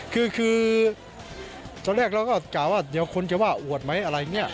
คือตอนแรกเราก็กล่าวว่าเดี๋ยวคนจะว่าอวดไหมอะไรอย่างนี้